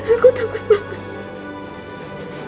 aku takut banget